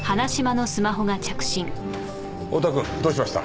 太田くんどうしました？